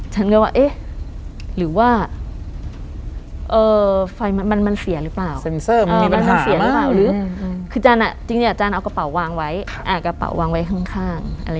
จันทร์ก็ว่าเอ๊ะหรือว่าไฟมันเสียหรือเปล่ามันเสียหรือเปล่าคือจริงจันทร์เอากระเป๋าวางไว้ข้าง